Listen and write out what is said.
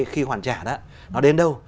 khi hoàn trả đó nó đến đâu